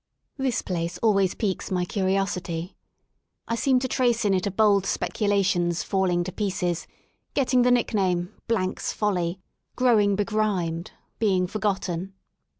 This place always piques my curiosity I seem to trace in it a bold speculation's falling to pieces, getting the nickname Blank's Folly/* growing begrimed, being forgotten.